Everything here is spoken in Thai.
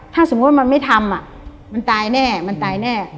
ถ้าสมมุติว่ามันไม่ทำมันตายแน่มันตายแน่